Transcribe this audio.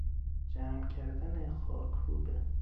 جمع کردن خاکروبه